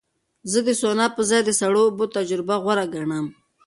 زه د سونا په ځای د سړو اوبو تجربه غوره ګڼم.